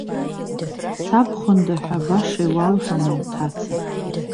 Сабхәында ҳәа баша иуалҳәома уҭаца.